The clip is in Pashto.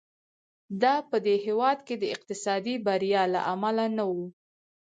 دا په دې هېواد کې د اقتصادي بریا له امله نه و.